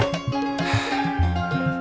aduh aduh aduh